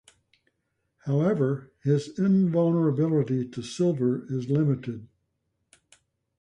However, his invulnerability to silver is limited.